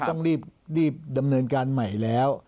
ต้องรีบดำเนินการใหม่แล้ว